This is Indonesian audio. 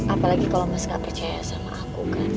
apalagi kalau mas gak percaya sama aku kan